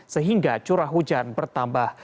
sehingga curah hujan bertambah